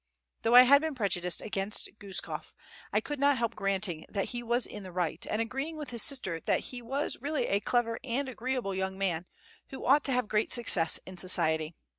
Though I had been prejudiced against Guskof, I could not help granting that he was in the right, and agreeing with his sister that he was really a clever and agreeable young man, who ought to have great success in society.